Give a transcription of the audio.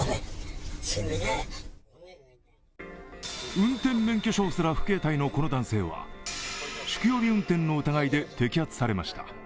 運転免許証すら不携帯のこの男性は酒気帯び運転の疑いで摘発されました。